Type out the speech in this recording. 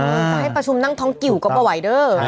จะให้ประชุมนั่งท้องกิวก็ไหวเด้อ